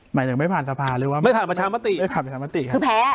หมายถึงไม่ผ่านสภาหรือว่าไม่ผ่านประชามติไม่ผ่านประชามติครับ